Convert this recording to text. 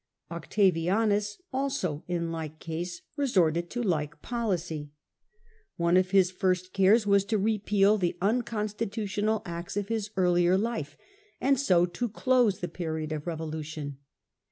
Octavianus also in like case resorted to like policy. One of his first — A,D. 14 . Augustus. 7 cares was to repeal the unconstitutional acts of his earlici life, and so to close the period of revolution.